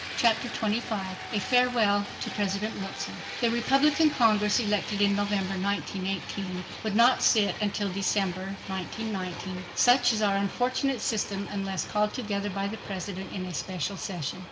Chapter 25 A Farewell to President Wilson The Republican Congress elected in November, 1918, would not sit until December, 1919—such is our unfortunate system—unless called together by the President in a special session.